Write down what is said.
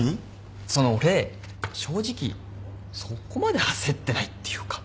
その俺正直そこまで焦ってないっていうか。